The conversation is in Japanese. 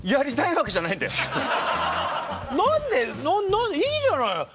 何いいじゃない。